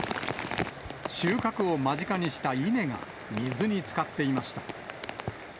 収穫を間近にした稲が水につかっていました。